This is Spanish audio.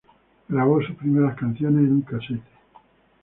Grabó sus primeras canciones en un casete.